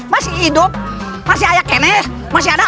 masih hidup masih lagi nyai masih ada